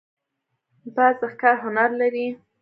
باز د ښکار هنر لري